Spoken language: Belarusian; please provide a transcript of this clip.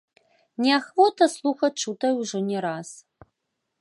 Не ахвота слухаць чутае ўжо не раз.